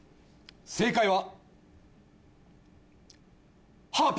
正解は。